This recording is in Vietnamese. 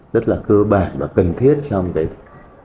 rất là cơ bản và cần thiết trong cái thời điểm hiện nay